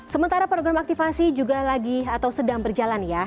sementara program aktifasi juga lagi atau sedang berjalan ya